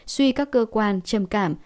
suy các cơ quan trầm cảm